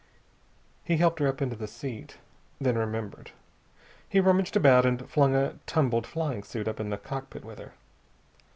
He helped her up into the seat, then remembered. He rummaged about and flung a tumbled flying suit up in the cockpit with her.